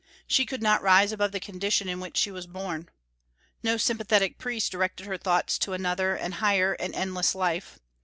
She could not rise above the condition in which she was born. No sympathetic priest directed her thoughts to another and higher and endless life.